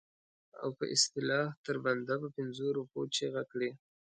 او په اصطلاح تر بنده په پنځو روپو چیغه کړي.